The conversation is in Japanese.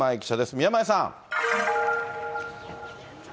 宮前さん。